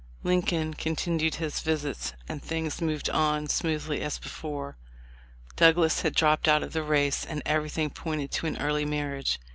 — Lincoln continued his visits, and things moved on smoothly as before. Douglas had dropped out of the race, and every thing pointed to an early marriage.